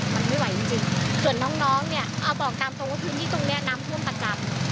มันไม่ไหวจริงส่วนน้องเนี่ยเอาบอกตามตรงว่าพื้นที่ตรงนี้น้ำท่วมประจำ